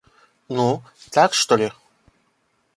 Ну, так, что ли?